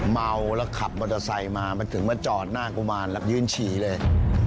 เมาแล้วขับมอเตอร์ไซค์มามันถึงมาจอดหน้ากุมารแล้วยืนฉี่เลย